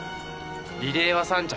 リレーは３着。